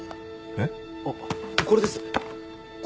えっ？